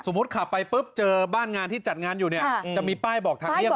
สมมุติขับไปเจอบ้านงานที่จัดงานอยู่เนี่ยจะมีป้ายบอกทางเลี่ยงไว้